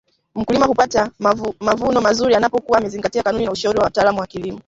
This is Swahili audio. Mkulima hupata mavuono mazuri anapokua amezingatia kanuni na ushauri wa wataalam wa kilimo